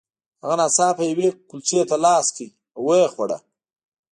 هغه ناڅاپه یوې کلچې ته لاس کړ او ویې خوړه